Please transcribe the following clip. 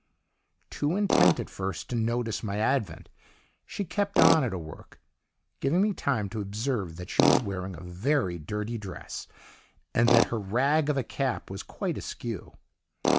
"Too intent at first to notice my advent, she kept on at her work, giving me time to observe that she was wearing a very dirty dress, and that her 'rag' of a cap was quite askew.